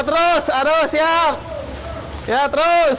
oh terus aduh siap ya terus